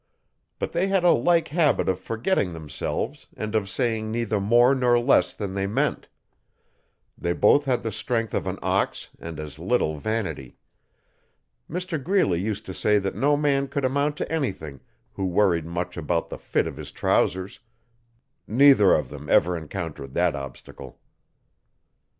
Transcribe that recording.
But they had a like habit of forgetting themselves and of saying neither more nor less than they meant. They both had the strength of an ox and as little vanity. Mr Greeley used to say that no man could amount to anything who worried much about the fit of his trousers; neither of them ever encountered that obstacle.